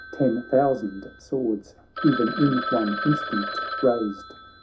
Ten thousand swords e'en in one instant raised.